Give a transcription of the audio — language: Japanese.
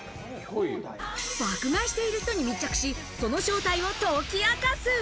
爆買いしている人に密着し、その正体を解き明かす。